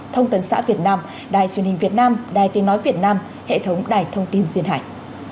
thông tấn xã việt nam đài truyền hình việt nam đài tiếng nói việt nam hệ thống đài thông tin duyên hải